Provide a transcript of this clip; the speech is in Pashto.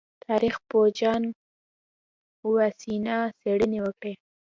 تاریخ پوه جان واسینا څېړنې وکړې.